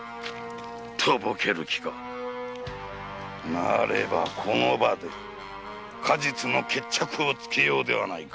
とぼける気かなればこの場で過日の決着をつけようではないか。